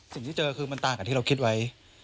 สิ่งที่เจอคือมันต่างกับที่เราคิดไว้